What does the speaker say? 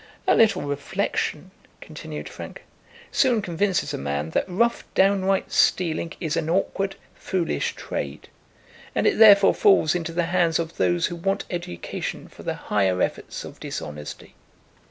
"A little reflection," continued Frank, "soon convinces a man that rough downright stealing is an awkward, foolish trade; and it therefore falls into the hands of those who want education for the higher efforts of dishonesty.